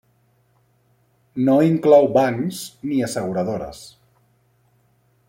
No inclou bancs ni asseguradores.